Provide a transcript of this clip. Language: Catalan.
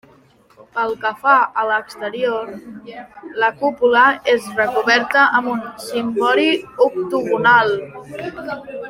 Pel que fa a l'exterior, la cúpula és recoberta amb un cimbori octogonal.